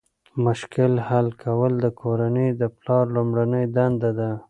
مشکل حل کول د کورنۍ د پلار لومړنۍ دنده ده.